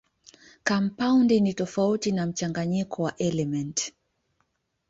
Kampaundi ni tofauti na mchanganyiko wa elementi.